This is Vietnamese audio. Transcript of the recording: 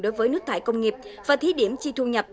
đối với nước thải công nghiệp và thí điểm chi thu nhập